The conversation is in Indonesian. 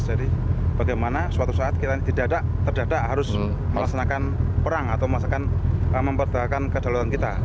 jadi bagaimana suatu saat kita ini terdadak harus melaksanakan perang atau mempertahankan kedalaman kita